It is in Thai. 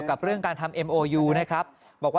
เวลาทดกิน